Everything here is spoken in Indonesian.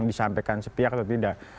disampaikan sepiak atau tidak